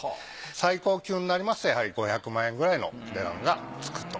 最高級になりますとやはり５００万円くらいの値段がつくと。